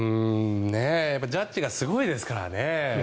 ジャッジがすごいですからね。